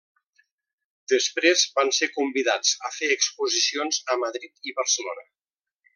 Després van ser convidats a fer exposicions a Madrid i Barcelona.